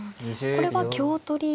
これは香取り。